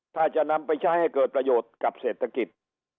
ถ้าจะนำไปใช้ให้เกิดประโยชน์กับเศรษฐกิจ